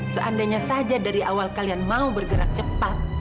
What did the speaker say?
seandainya saja dari awal kalian mau bergerak cepat